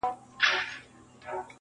• دوه پاچایان پر یو تخت نه ځايېږي -